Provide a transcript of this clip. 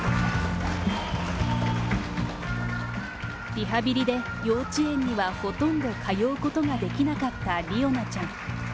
リハビリで幼稚園にはほとんど通うことができなかった理央奈ちゃん。